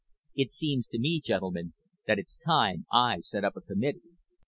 It seems to me, gentlemen, that it's time I set up a committee."